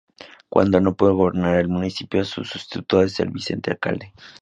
Cuando no puede gobernar el municipio, su sustituto es el Vice-Alcalde.